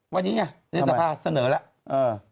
วันนี้เนี่ยไนกสภาเสนอเลย